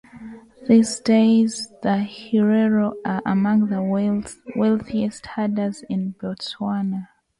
These days the Herero are among the wealthiest herders in Botswana.